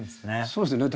そうですね。